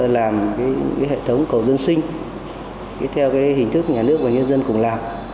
làm hệ thống cầu dân sinh theo hình thức nhà nước và nhân dân cùng làm